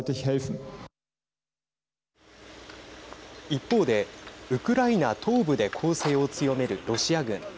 一方で、ウクライナ東部で攻勢を強めるロシア軍。